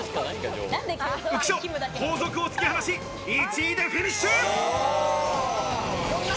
浮所、後続を突き放し、１位でフィニッシュ！